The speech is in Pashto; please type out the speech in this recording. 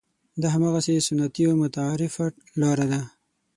دا هماغه سنتي او متعارفه لاره ده.